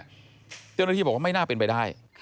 เจ้าหน้าที่บอกว่าไม่น่าเป็นไปได้